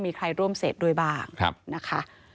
มีใครร่วมเสพด้วยบ้างนะคะ